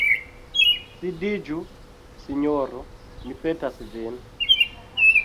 Sidiĝu, sinjoro, mi petas vin.